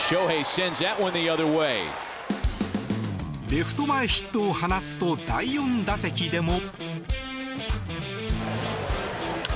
レフト前ヒットを放つと第４打席でも。